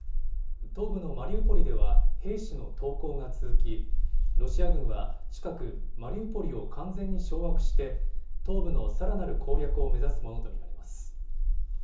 東部のマリウポリでは、兵士の投降が続き、ロシア軍は近く、マリウポリを完全に掌握して、東部のさらなる攻略を目指すものと見られます。